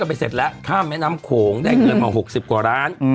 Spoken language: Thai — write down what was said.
ไปเสร็จแล้วข้ามแม่น้ำโขงได้เงินมา๖๐กว่าร้าน